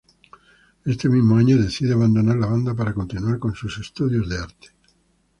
Este mismo año decide abandonar la banda para continuar con sus estudios de arte.